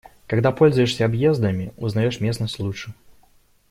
Когда пользуешься объездами, узнаёшь местность лучше.